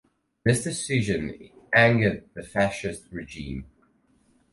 This decision angered the Fascist regime.